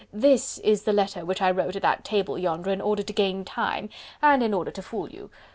"THIS is the letter which I wrote at that table yonder in order to gain time and in order to fool you....